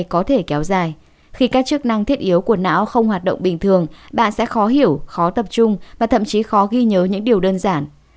có thể kéo dài khi các chức năng thiết yếu của não không hoạt động bình thường bạn sẽ khó hiểu khó tập trung và thậm chí khó ghi nhớ những điều đơn giản